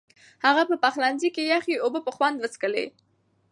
هغه په پخلنځي کې یخې اوبه په خوند وڅښلې.